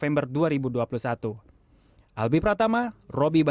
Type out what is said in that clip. di tempat kali iniwan ijal tulang delamat broom food piedro